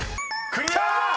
［クリア！］